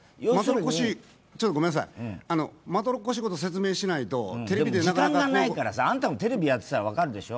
まどろっこしいことを説明しないとね時間がないからさ、あんたもテレビやってたから分かるでしょ。